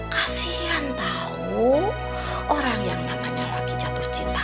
kasian tahu orang yang namanya lagi jatuh cinta